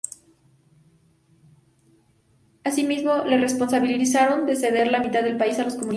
Asimismo, le responsabilizaron de ceder la mitad del país a los comunistas.